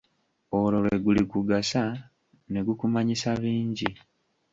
Olwo lwe gulikugasa ne gukumanyisa bingi.